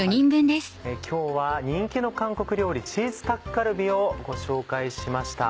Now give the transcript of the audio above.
今日は人気の韓国料理「チーズタッカルビ」をご紹介しました。